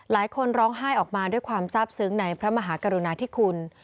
ร้องไห้ออกมาด้วยความทราบซึ้งในพระมหากรุณาธิคุณ